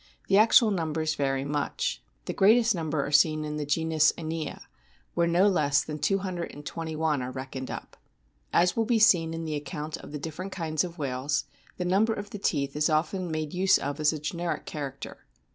The actual numbers vary much ; the greatest number are seen in the genus Inia, where no less than 221 are reckoned up. As will be seen in the account of the different kinds of whales, the number of the teeth is often made use of as a generic character.